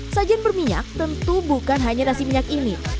sajian berminyak tentu bukan hanya nasi minyak ini